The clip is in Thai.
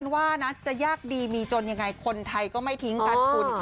ว่านะจะยากดีมีจนยังไงคนไทยก็ไม่ทิ้งกันคุณ